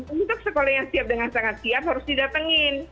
untuk sekolah yang siap dengan sangat siap harus didatengin